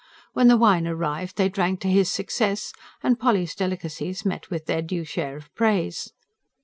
When the wine arrived they drank to his success, and Polly's delicacies met with their due share of praise.